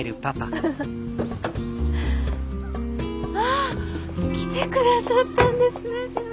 あ！来てくださったんですね静さん！